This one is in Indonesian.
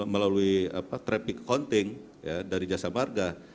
melalui traffic accounting dari jasa warga